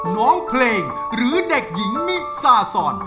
น้องเพลงหรือเด็กหญิงมิซาซอน